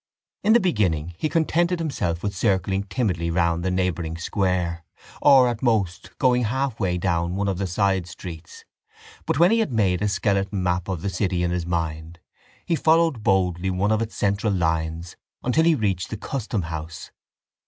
In the beginning he contented himself with circling timidly round the neighbouring square or, at most, going half way down one of the side streets but when he had made a skeleton map of the city in his mind he followed boldly one of its central lines until he reached the Custom House.